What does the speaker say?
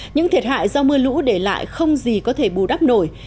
những thiệt hại do mưa lũ để lại không gì có thể bù đắp nổi